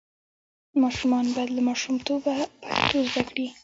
ماشومان باید له ماشومتوبه پښتو زده کړي.